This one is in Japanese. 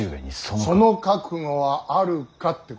その覚悟はあるかって